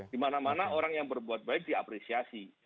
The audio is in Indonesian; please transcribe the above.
dimana mana orang yang berbuat baik diapresiasi